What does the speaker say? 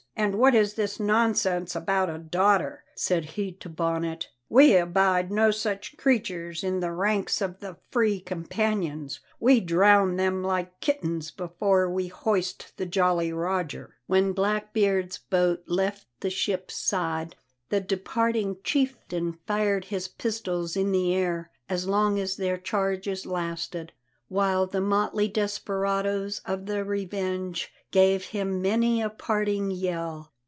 And what is this nonsense about a daughter?" said he to Bonnet. "We abide no such creatures in the ranks of the free companions; we drown them like kittens before we hoist the Jolly Roger." When Blackbeard's boat left the ship's side the departing chieftain fired his pistols in the air as long as their charges lasted, while the motley desperadoes of the Revenge gave him many a parting yell.